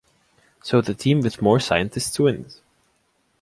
So the team with more scientists wins.